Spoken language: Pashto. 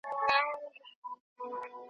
ورېښمیني څڼي دي شمال وهلې .